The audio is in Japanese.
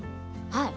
はい。